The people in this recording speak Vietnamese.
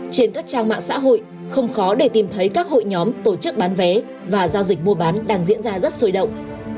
trên các trang mạng xã hội không khó để tìm thấy các hội nhóm tổ chức bán vé và giao dịch mua bán đang diễn ra rất sôi động